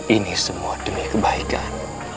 ini semua demi kebaikan